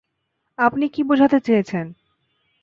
আপনি কি বোঝাতে চেয়েছেন?